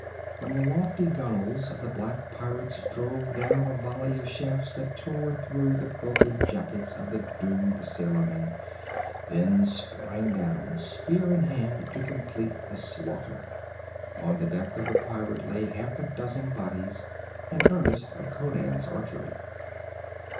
From the lofty gunwales, the black pirates drove down a volley of shafts that tore through the quilted jackets of the doomed sailormen, then sprang down spear in hand to complete the slaughter. On the deck of the pirate lay half a dozen bodies, an earnest of Conan's archery.